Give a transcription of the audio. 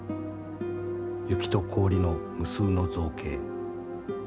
雪と氷の無数の造形。